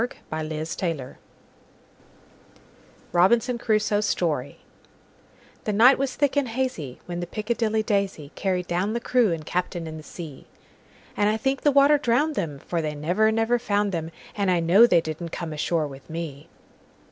Carryl1841–1920 Robinson Crusoe's Story THE NIGHT was thick and hazyWhen the "Piccadilly Daisy"Carried down the crew and captain in the sea; And I think the water drowned 'em; For they never, never found 'em, And I know they didn't come ashore with me.